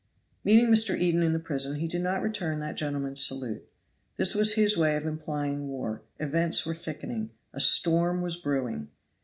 Meeting Mr. Eden in the prison, he did not return that gentleman's salute. This was his way of implying war; events were thickening, a storm was brewing.